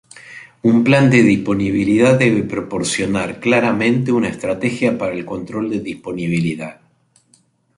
Un plan de disponibilidad debe proporcionar claramente una estrategia para el control de disponibilidad.